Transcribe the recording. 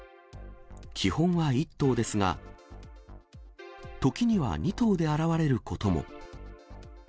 基本は１頭ですが、時には２頭で現れることも。